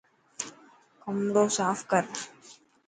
ڪمرو ساف ڪر.